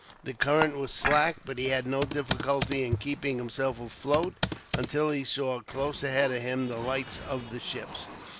The current was slack, but he had no difficulty in keeping himself afloat until he saw, close ahead of him, the lights of the ships.